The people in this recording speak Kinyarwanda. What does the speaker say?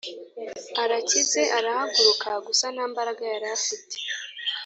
arakize arahaguruka gusa ntambaraga yarafite